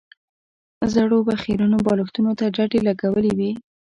زړو به خيرنو بالښتونو ته ډډې لګولې وې.